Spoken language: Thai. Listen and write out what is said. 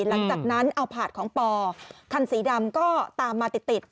หลังจากนั้นเอาผาดของปอคันสีดำก็ตามมาติดติด